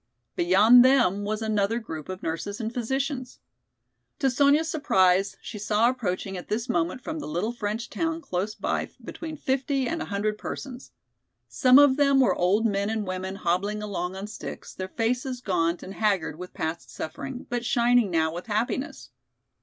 Beyond them was another group of nurses and physicians. To Sonya's surprise she saw approaching at this moment from the little French town close by between fifty and a hundred persons. Some of them were old men and women hobbling along on sticks, their faces gaunt and haggard with past suffering, but shining now with happiness.